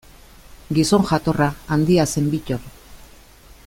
Gizon jatorra, handia zen Bittor.